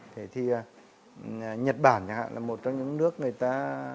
thế thì nhật bản chẳng hạn là một trong những nước người ta